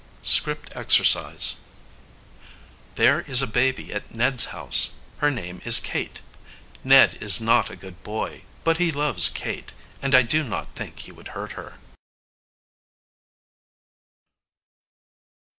[Illustration: Script Exercise: There is a baby at Ned's house. Her name is Kate. Ned is not a good boy, but he loves Kate, and I do not think he would hurt her.